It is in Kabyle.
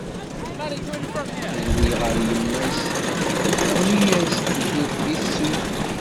Terwel ɣer yemma-s teɣli-as deg yirebbi tettru.